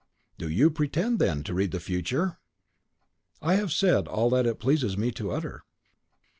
"Do you pretend, then, to read the future?" "I have said all that it pleases me to utter."